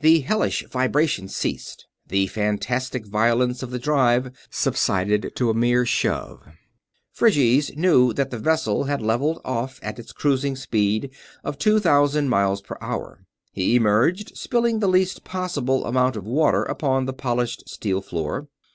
The hellish vibration ceased; the fantastic violence of the drive subsided to a mere shove; Phryges knew that the vessel had leveled off at its cruising speed of two thousand miles per hour. He emerged, spilling the least possible amount of water upon the polished steel floor.